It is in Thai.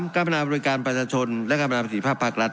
การพนาบริการประชาชนและการประนาประสิทธิภาพภาครัฐ